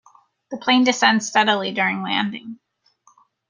The plane descends steadily during landing.